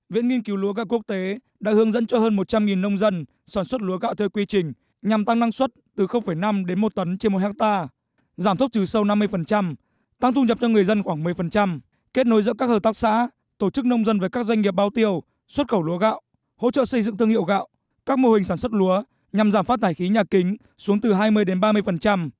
viện nghiên cứu lúa gạo quốc tế đã hướng dẫn cho hơn một trăm linh nông dân sản xuất lúa gạo theo quy trình nhằm tăng năng suất từ năm đến một tấn trên một hectare giảm thốc trừ sâu năm mươi tăng thu nhập cho người dân khoảng một mươi kết nối giữa các hợp tác xã tổ chức nông dân với các doanh nghiệp bao tiêu xuất khẩu lúa gạo hỗ trợ xây dựng thương hiệu gạo các mô hình sản xuất lúa nhằm giảm phát thải khí nhà kính xuống từ hai mươi đến ba mươi